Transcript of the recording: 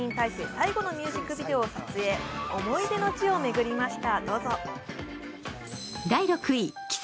最後のミュージックビデオを撮影、思い出の地を巡りました。